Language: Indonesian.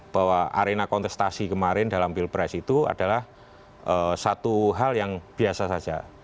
bahwa arena kontestasi kemarin dalam pilpres itu adalah satu hal yang biasa saja